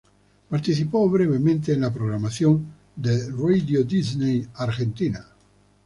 Participó brevemente en la programación de Radio Disney Argentina.